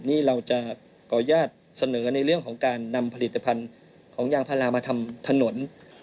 นี่เราจะขออนุญาตเสนอในเรื่องของการนำผลิตภัณฑ์ของยางพารามาทำถนน